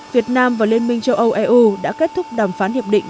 việt nam và liên minh châu âu eu đã kết thúc đàm phán hiệp định